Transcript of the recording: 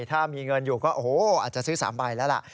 ถ้ามีเงินอยู่ก็โอ้โหอาจจะซื้อ๓ใบแล้วล่ะ